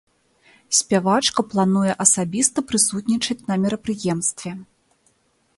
Спявачка плануе асабіста прысутнічаць на мерапрыемстве.